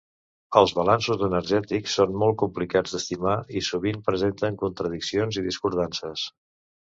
Els balanços energètics són molt complicats d'estimar i sovint presenten contradiccions i discordances.